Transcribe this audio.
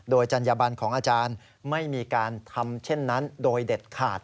โดยจัญญบันของอาจารย์ไม่มีการทำเช่นนั้นโดยเด็ดขาด